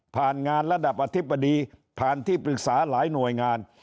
งานระดับอธิบดีผ่านที่ปรึกษาหลายหน่วยงาน